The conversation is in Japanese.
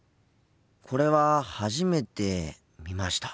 これは初めて見ました。